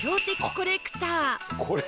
コレクター？